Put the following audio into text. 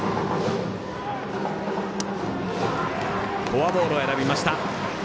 フォアボールを選びました。